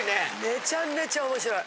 めちゃめちゃ面白い。